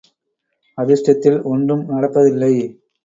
அதிர்ஷ்டத்தில் ஒன்றும் நடப்பதில்லை!